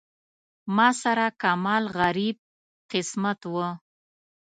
ما سره کمال غریب قسمت و.